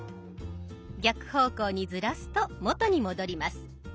逆方向にずらすと元に戻ります。